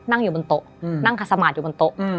นั่งอยู่บนโต๊ะนั่งขัดสมาร์ทอยู่บนโต๊ะ